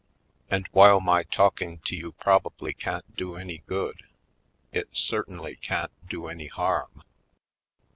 And while my talking to you probably can't do any good, it certainly can't do any harm."